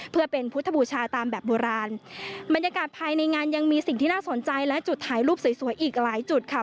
เพื่อเป็นพุทธบูชาตามแบบโบราณบรรยากาศภายในงานยังมีสิ่งที่น่าสนใจและจุดถ่ายรูปสวยสวยอีกหลายจุดค่ะ